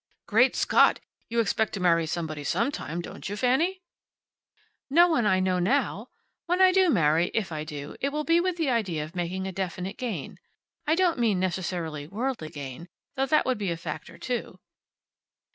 "Great Scott! You expect to marry somebody sometime, don't you, Fanny?" "No one I know now. When I do marry, if I do, it will be with the idea of making a definite gain. I don't mean necessarily worldly gain, though that would be a factor, too."